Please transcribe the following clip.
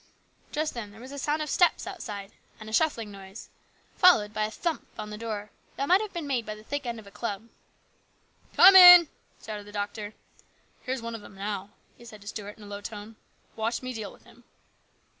Just then there was a sound of steps outside, and a shuffling noise, followed by a thump on the door that might have been made by the thick end of a club. " Come in !" shouted the doctor. " Here's one of 'em now," he said to Stuart in a low tone. " Watch me deal with him."